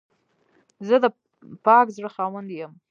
زه د پاک زړه خاوند یم.